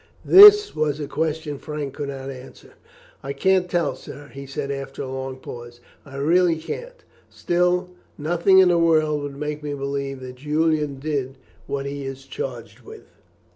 This was a question Frank could not answer. "I can't tell, sir," he said after a long pause; "I really can't imagine. Still, nothing in the world would make me believe that Julian did what he is charged with."